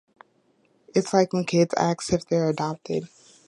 It's like when kids ask if they're adopted.